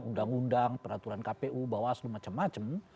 undang undang peraturan kpu bawaslu macem macem